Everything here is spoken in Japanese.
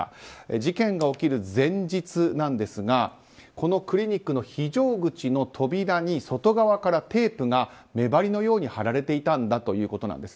事件が起きる前日なんですがこのクリニックの非常口の扉に外側からテープが目張りのように貼られていたんだということです。